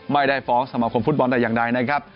ไม่ได้ฟ้องสมาคมฟุตบอลแต่อย่างใดนะครับ